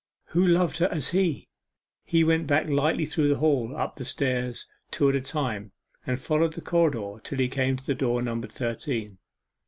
Who loved her as he! He went back lightly through the hall, up the stairs, two at a time, and followed the corridor till he came to the door numbered thirteen.